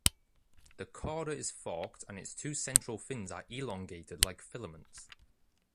The cauda is forked and its two central fins are elongated like filaments.